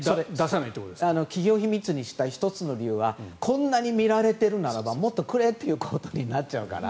企業秘密にしたい１つの理由はこんなに見られているならばもっとくれっていうことになっちゃうから。